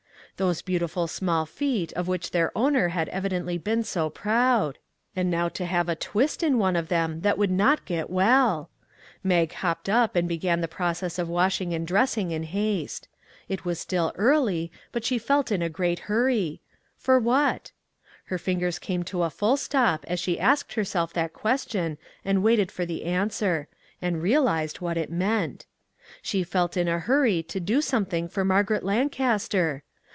Those beautiful small feet of which their owner had evidently been so proud! and now to have a " twist " in one of them that would not get well! Mag hopped up and began the process of washing and dressing in haste. It was still early, but she felt in a great hurry. For what ? Her fingers came to a full stop as she asked her self that question and waited for the answer, and realized what it meant. She felt in a hurry to do something for Margaret Lancaster!